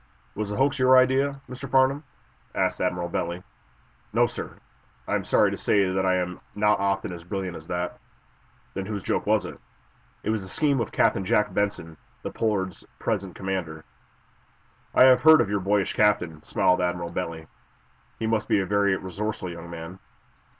"Was the hoax your idea, Mr. Farnum?" asked Admiral Bentley. "No, sir; I am sorry to say that I am not often as brilliant as that." "Then whose joke was it?" "It was the scheme of Captain Jack Benson, the 'Pollard's' present commander." "I have heard of your boyish captain," smiled Admiral Bentley. "He must be a very resourceful young man."